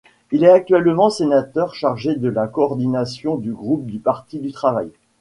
Il est actuellement sénateur, chargé de la coordination du Groupe du Parti du Travail.